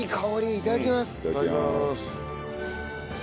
いただきます。